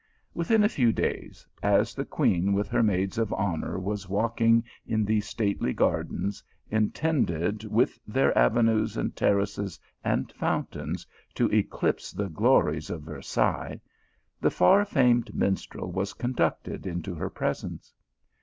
Within a few days, as the queen with her maids of honour was walking in those stately gardens, in tended, with their avenues, and terraces, and fount ains, to eclipse the glories of Versailles, the far famed minstrel was conducted into her presence.